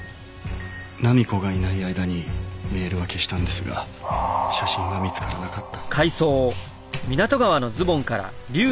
浪子がいない間にメールは消したんですが写真は見つからなかった。